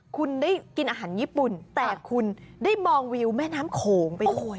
คุณได้กินอาหารญี่ปุ่นแต่คุณได้มองวิวแม่น้ำโขงไปด้วย